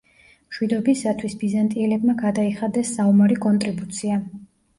მშვიდობისათვის, ბიზანტიელებმა გადაიხადეს საომარი კონტრიბუცია.